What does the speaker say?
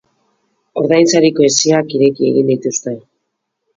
Ordainsariko hesiak ireki egin dituzte.